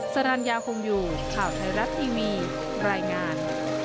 สรรญาคงอยู่ข่าวไทยรัฐทีวีรายงาน